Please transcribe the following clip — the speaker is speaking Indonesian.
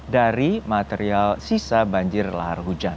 dari material sisa banjir lahar hujan